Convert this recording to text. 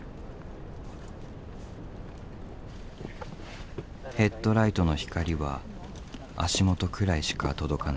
ヘッドライトの光は足元くらいしか届かない。